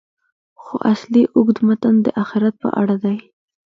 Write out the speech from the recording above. خو اصلي اوږد متن د آخرت په اړه دی.